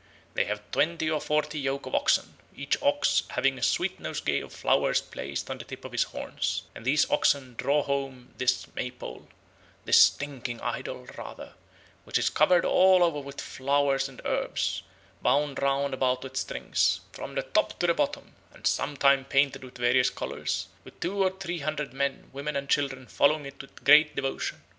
They have twentie or fortie yoke of oxen, every oxe having a sweet nose gay of flouers placed on the tip of his hornes, and these oxen drawe home this May pole (this stinkyng ydol, rather), which is covered all over with floures and hearbs, bound round about with strings, from the top to the bottome, and sometime painted with variable colours, with two or three hundred men, women and children following it with great devotion.